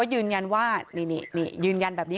คือผมยังหารถให้พี่ไม่ได้